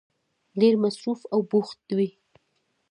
ډېر مصروف او بوخت وی